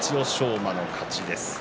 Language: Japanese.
馬の勝ちです。